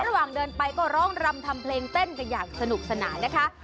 ระหว่างเดินไปก็ร้องรำทำเพลงเต้นกันอย่างสนุกสนานนะคะ